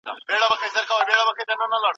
هغه د امیر دوست محمد خان زوی و.